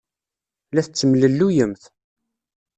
La tettemlelluyemt.